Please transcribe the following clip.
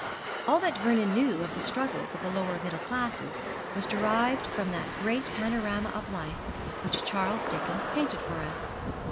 All that Vernon knew of the struggles of the lower middle classes was derived from that great panorama of life which Charles Dickens painted for us.